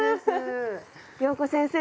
謠子先生